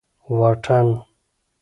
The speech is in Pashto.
واټن